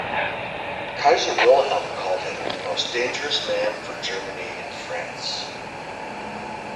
Kaiser Wilhelm called him "The most dangerous man for Germany in France".